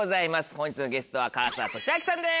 本日のゲストは唐沢寿明さんです。